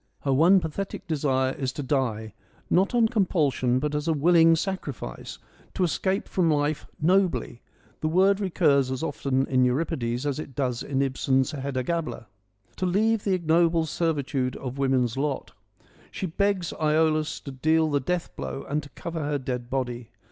Her one pathetic desire is to die, not on compulsion but as a willing sacrifice, — to escape from life nobly (the word recurs as often in Euripides as it does in Ibsen's Hedda Gabler), to leave the ignoble servitude of woman's lot. She begs Iolaus to deal the death blow and to cover her dead body.